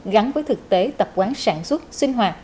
gắn với thực tế tập quán sản xuất sinh hoạt